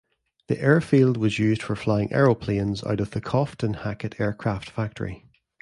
The airfield was used for flying aeroplanes out of the Cofton Hackett aircraft factory.